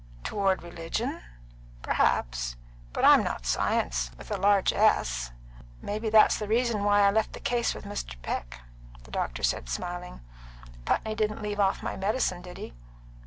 "Toward religion? Perhaps. But I'm not Science with a large S. May be that's the reason why I left the case with Mr. Peck," said the doctor, smiling. "Putney didn't leave off my medicine, did he?"